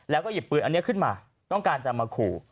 แล้วก็หยิบปืนอันนี้ขึ้นมาต้องการจะมาขู่